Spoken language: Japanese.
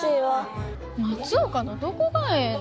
松岡のどこがええの？